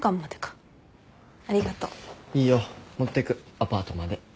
いいよ持ってくアパートまで。